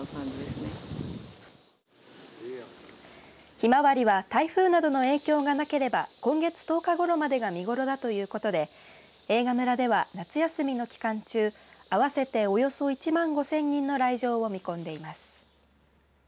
ひまわりは台風などの影響がなければ今月１０日ごろまでが見頃だということで映画村では夏休みの期間中合わせておよそ１万５０００人の来場を見込んでいます。